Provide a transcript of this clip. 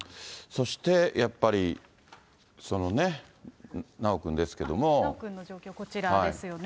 そしてやっぱり、そのね、修くんの状況、こちらですよね。